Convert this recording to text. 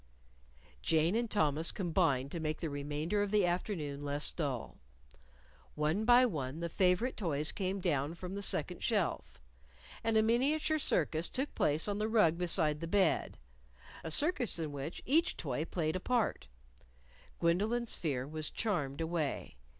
Jane and Thomas combined to make the remainder of the afternoon less dull. One by one the favorite toys came down from the second shelf. And a miniature circus took place on the rug beside the bed a circus in which each toy played a part. Gwendolyn's fear was charmed away.